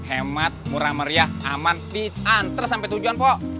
hemat murah meriah aman diantar sampai tujuan po